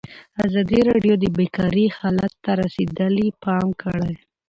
ازادي راډیو د بیکاري حالت ته رسېدلي پام کړی.